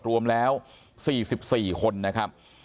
รวมแล้ว๔๔คนนะครับ